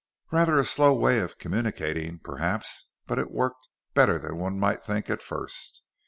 "Rather a slow way of communication, perhaps. But it worked better than one might think at first.